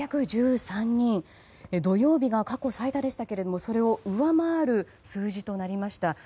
土曜日が過去最多でしたけどもそれを上回る数字となりました。